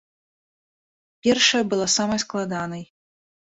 Першая была самай складанай.